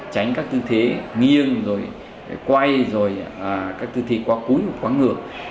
tránh các tư thế nghiêng rồi quay rồi các tư thi quá cúi hoặc quá ngược